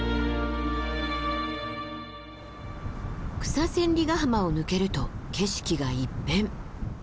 草千里ヶ浜を抜けると景色が一変。